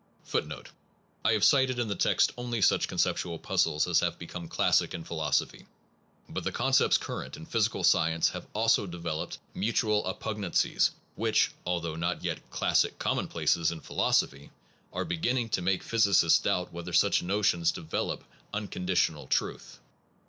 1 1 I have cited in the text only such conceptual puzzles as have be come classic in philosophy, but the concepts current in physical science have also developed mutual oppugnancies which (although not yet classic commonplaces in philosophy) are beginning to make physicists doubt whether such notions develop unconditional truth.